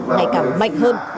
ngày càng mạnh hơn